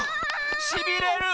しびれる！